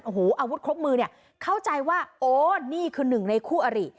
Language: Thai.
โอ้โหอาวุธครบมือเนี่ยเข้าใจว่าโอ้นี่คือหนึ่งในคู่อริ